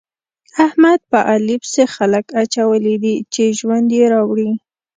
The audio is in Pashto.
احمد په علي پسې خلګ اچولي دي چې ژوند يې راوړي.